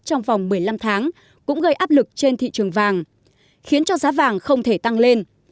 trong vòng một mươi năm tháng cũng gây áp lực trên thị trường vàng khiến cho giá vàng không thể tăng lên